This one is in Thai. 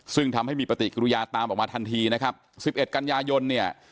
ซึ่งทำให้มีปฏิกิริยาตามออกมาทันทีนะครับ๑๑กันยายนเนี่ย